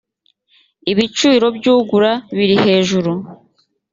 ibiciro by ugura birihejuru